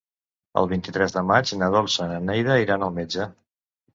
El vint-i-tres de maig na Dolça i na Neida iran al metge.